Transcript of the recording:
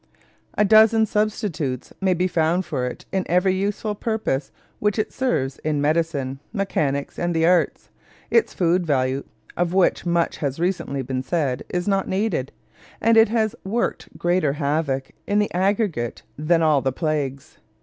A dozen substitutes may be found for it in every useful purpose which it serves in medicine, mechanics, and the arts; its food value, of which much has recently been said, is not needed; and it has worked greater havoc in the aggregate than all the plagues.